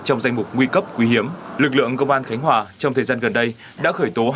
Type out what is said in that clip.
trong danh mục nguy cấp quý hiếm lực lượng công an khánh hòa trong thời gian gần đây đã khởi tố